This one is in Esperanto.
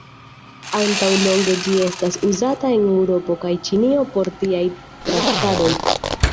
Antaŭ longe ĝi estas uzata en Eŭropo kaj Ĉinio por tiaj traktadoj.